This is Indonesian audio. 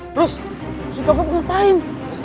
terus kita ngopain